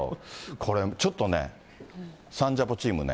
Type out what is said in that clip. これちょっとね、サンジャポチームね。